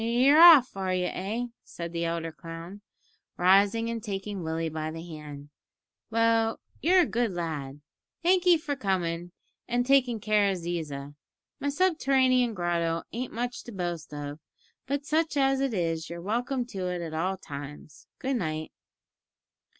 "You're off, are you eh?" said the elder clown, rising and taking Willie by the hand, "well, you're a good lad. Thank'ee for comin' here an' takin' care of Ziza. My subterranean grotto ain't much to boast of, but such as it is you're welcome to it at all times. Good night."